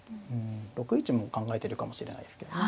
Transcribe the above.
６一も考えてるかもしれないですけどね。